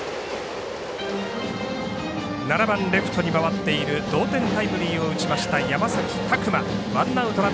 ７番レフトに回っている同点タイムリーを打ちました山崎琢磨。